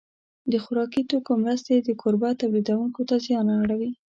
د خوراکي توکو مرستې د کوربه تولیدوونکو ته زیان اړوي.